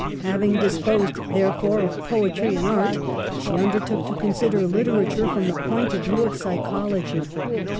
« Having disposed, therefore, of poetry and artj she undertook to consider literature from the point of view of psychology.